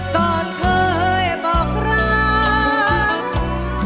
ก่อนเคยบอกรัก